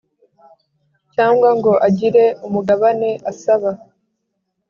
cyangwa ngo agire umugabane asaba